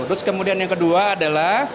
terus kemudian yang kedua adalah